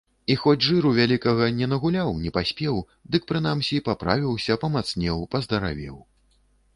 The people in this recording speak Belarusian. І хоць жыру вялікага не нагуляў, не паспеў, дык прынамсі паправіўся, памацнеў, паздаравеў.